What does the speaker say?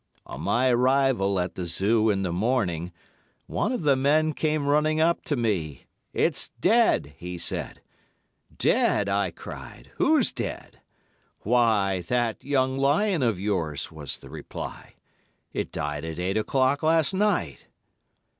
"On my arrival at the Zoo in the morning, one of the men came running up to me. 'It's dead!' he said. 'Dead!' I cried. 'Who's dead?' 'Why, that young lion of yours,' was the reply; 'it died at eight o'clock last night.